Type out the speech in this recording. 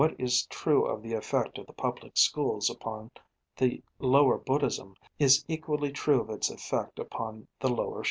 What is true of the effect of the public schools upon the lower Buddhism is equally true of its effect upon the lower Shinto.